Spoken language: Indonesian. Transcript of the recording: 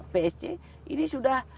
psc ini sudah